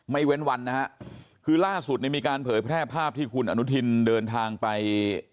เว้นวันนะฮะคือล่าสุดเนี่ยมีการเผยแพร่ภาพที่คุณอนุทินเดินทางไป